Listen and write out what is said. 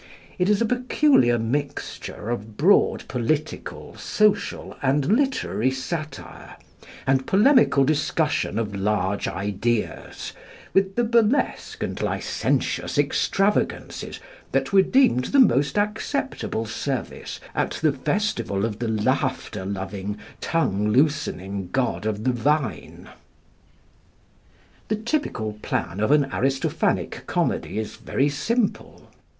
It is a peculiar mixture of broad political, social, and literary satire, and polemical discussion of large ideas, with the burlesque and licentious extravagances that were deemed the most acceptable service at the festival of the laughter loving, tongue loosening god of the vine. [Illustration: ARISTOPHANES] The typical plan of an Aristophanic comedy is very simple.